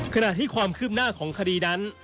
ขณะที่ความคืบหน้าของคดีนั้น